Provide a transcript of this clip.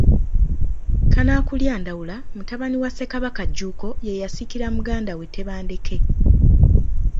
KANAAKULYA Ndawula mutabani wa Ssekabaka Jjuuko ye yasikira muganda we Tebandeke.